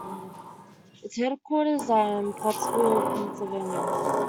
Its headquarters are in Pottsville, Pennsylvania.